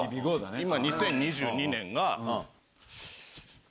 今、２０２２年が。